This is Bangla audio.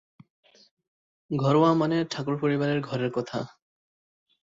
ঘরোয়া মানে ঠাকুর পরিবারের ঘরের কথা।